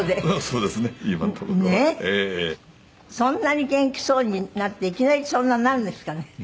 そんなに元気そうになっていきなりそんなになるんですかね。